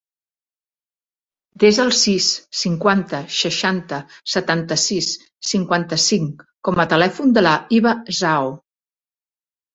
Desa el sis, cinquanta, seixanta, setanta-sis, cinquanta-cinc com a telèfon de la Hiba Zhao.